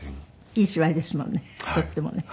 いい芝居ですもんねとってもね。